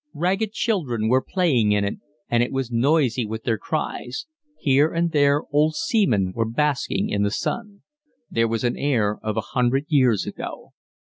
Ragged children were playing in it, and it was noisy with their cries: here and there old seamen were basking in the sun. There was an air of a hundred years ago.